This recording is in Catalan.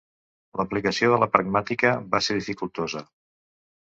L'aplicació de la pragmàtica va ser dificultosa.